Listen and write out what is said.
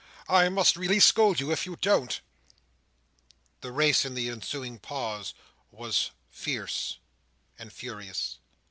I must really scold you if you don't!" The race in the ensuing pause was fierce and furious.